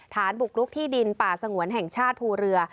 ฐานบุกรุกที่ดินป่าสงวนแห่งชาติภูเรือ